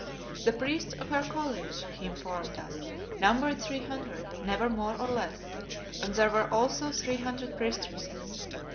The priests of her College, he informed us, numbered three hundred, never more nor less, and there were also three hundred priestesses.